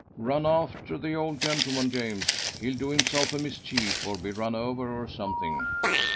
Run after the old gentleman, James; he'll do himself a mischief, or be run over, or something."